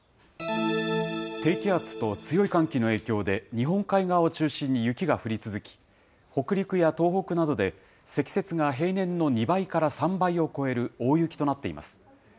低気圧と強い寒気の影響で、日本海側を中心に雪が降り続き、北陸や東北などで、積雪が平年の２倍から３倍を超える大雪となっています。